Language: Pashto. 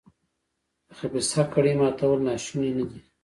د خبیثه کړۍ ماتول ناشوني نه دي.